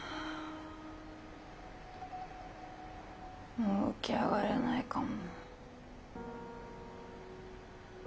もう起き上がれないかも。